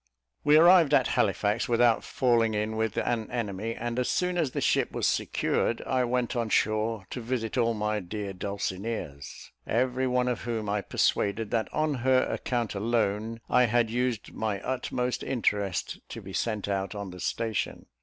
We arrived at Halifax without falling in with an enemy; and as soon as the ship was secured, I went on shore to visit all my dear Dulcineas, every one of whom I persuaded, that on her account alone I had used my utmost interest to be sent out on the station.